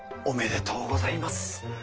おめでとうございます。